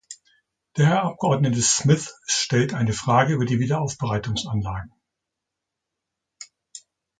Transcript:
Der Herr Abgeordnete Smith stellt eine Frage über die Wiederaufbereitungsanlagen.